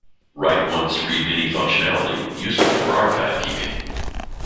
Write Once Read Many functionality, useful for archive keeping.